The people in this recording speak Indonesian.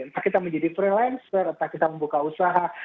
entah kita menjadi freelancer entah kita membuka usaha